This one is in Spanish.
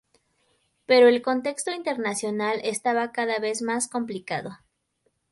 Pero el contexto internacional estaba cada vez más complicado.